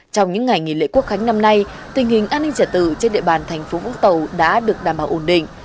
trong những ngày nghỉ lễ quốc khánh năm nay tình hình an ninh trả tự trên địa bàn thành phố vũng tàu đã được đảm bảo ổn định